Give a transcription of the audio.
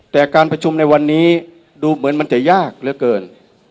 แต่การประชุมในวันนี้ดูเหมือนมันจะยากเหลือเกิน